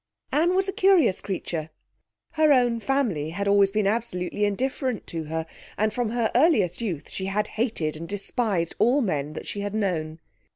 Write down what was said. Anne was a curious creature. Her own family had always been absolutely indifferent to her, and from her earliest youth she had hated and despised all men that she had known.